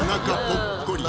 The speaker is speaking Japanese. ぽっこり